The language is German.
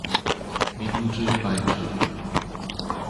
Minute, beitrug.